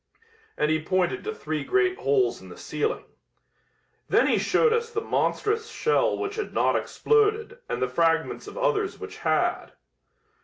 And he pointed to three great holes in the ceiling. Then he showed us the monstrous shell which had not exploded and the fragments of others which had.